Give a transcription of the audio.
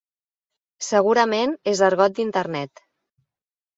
Segurament és argot d'Internet.